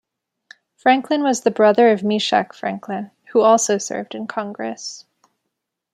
Franklin was the brother of Meshack Franklin, who also served in Congress.